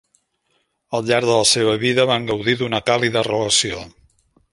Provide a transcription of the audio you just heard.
Al llarg de la seva vida, van gaudir d'una càlida relació.